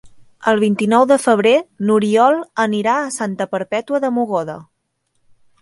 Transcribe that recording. El vint-i-nou de febrer n'Oriol anirà a Santa Perpètua de Mogoda.